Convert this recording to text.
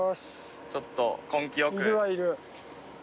ちょっと根気よく。